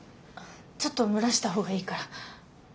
ちょっと蒸らした方がいいから。